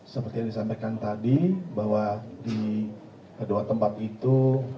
seperti yang disampaikan tadi bahwa di kedua tempat itu